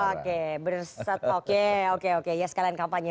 oke berset oke oke oke ya sekalian kampanye